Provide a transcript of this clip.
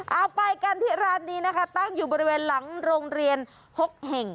เอาไปกันที่ร้านนี้นะคะตั้งอยู่บริเวณหลังโรงเรียน๖แห่ง